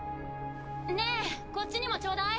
ねえこっちにもちょうだい。